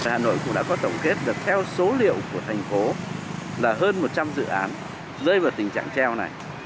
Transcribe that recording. hà nội cũng đã có tổng kết được theo số liệu của thành phố là hơn một trăm linh dự án rơi vào tình trạng treo này